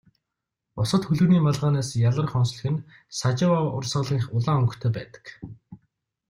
Бусад хөлгөний малгайнаас ялгарах онцлог нь Сажава урсгалынх улаан өнгөтэй байдаг.